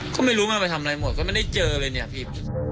ก็ไม่รู้มันไปทำอะไรหมดก็ไม่ได้เจอเลยเนี่ยพี่